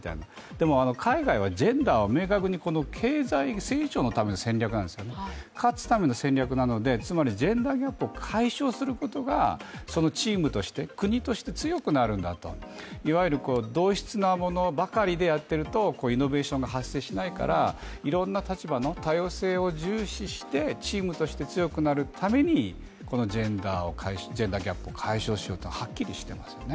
でも海外はジェンダーを完全に経済成長のための戦略なんですね、勝つための戦略なのでつまりジェンダーギャップを解消することがチームとして、国として強くなるんだと、いわゆる同質なものばかりでやっているとイノベーションも発生しないからいろんな立場の多様性を重視してチームとして強くなるためにこのジェンダーギャップを解消しようと、はっきりしてますよね。